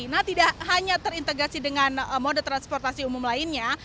nah tidak hanya terintegrasi dengan moda transportasi umum lainnya